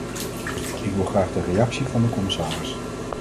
Ik wil graag de reactie van de commissaris.